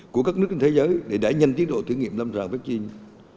của các nước trên thế giới để đẩy nhanh tiến độ thử nghiệm lâm sàng vaccine